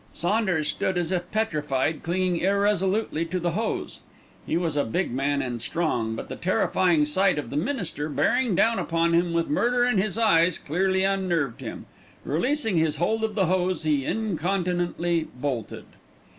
Saunders stood as if petrified, clinging irresolutely to the hose. He was a big man and strong, but the terrifying sight of the minister bearing down upon him with murder in his eyes clearly unnerved him. Releasing his hold of the hose he incontinently bolted.